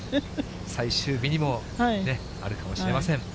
最終日にもね、あるかもしれません。